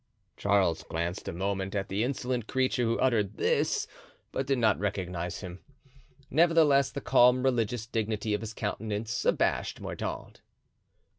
Charles glanced a moment at the insolent creature who uttered this, but did not recognize him. Nevertheless, the calm religious dignity of his countenance abashed Mordaunt.